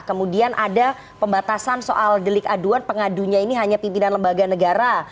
kemudian ada pembatasan soal delik aduan pengadunya ini hanya pimpinan lembaga negara